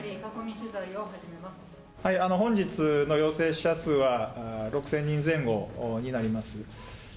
本日の陽性者数は６０００人前後になります。